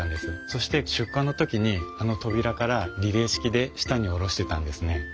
そして出荷の時にあの扉からリレー式で下に下ろしてたんですね。